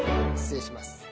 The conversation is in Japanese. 失礼します。